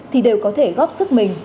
thì đều có thể góp sức mình